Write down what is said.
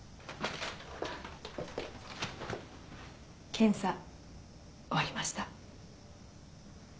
・検査終わりました。